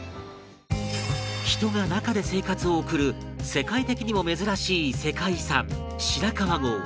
人が中で生活を送る世界的にも珍しい世界遺産白川郷